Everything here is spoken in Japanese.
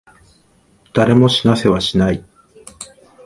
誰も死なせはしない。